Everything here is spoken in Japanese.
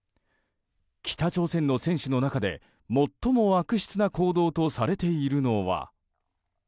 北朝鮮の選手の中で最も悪質な行動とされているのは。